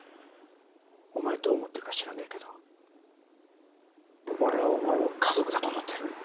お前はどう思ってるか知らねえけど俺はお前を家族だと思ってる。